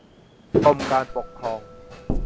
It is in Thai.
กรมการปกครอง